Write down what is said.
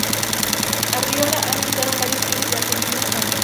Arriola ha militado en varios clubes de la Argentina, España.